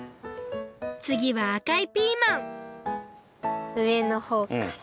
つぎはあかいピーマンうえのほうから。